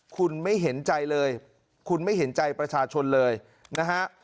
คุณไม่เห็นใจเลยคุณไม่เห็นใจประชาชนเลยนะฮะ